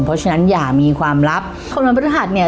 เพราะฉะนั้นอย่ามีความลับคนวันพฤหัสเนี่ย